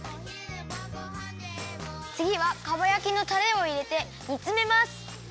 つぎはかば焼きのタレをいれてにつめます。